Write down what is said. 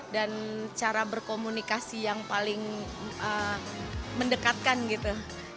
cara berkomunikasi yang paling mendekatkan gitu